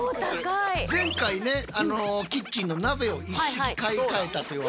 前回ねキッチンの鍋を一式買いかえたというお話しして。